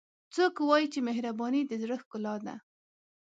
څوک وایي چې مهربانۍ د زړه ښکلا ده